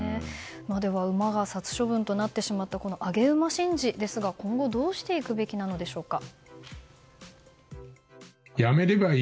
馬が殺処分となってしまった上げ馬神事ですが今後どうしていくべきなのでしょうか。